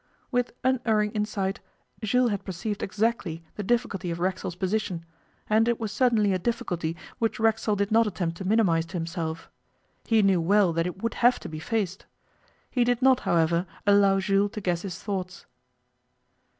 With unerring insight, Jules had perceived exactly the difficulty of Racksole's position, and it was certainly a difficulty which Racksole did not attempt to minimize to himself. He knew well that it would have to be faced. He did not, however, allow Jules to guess his thoughts.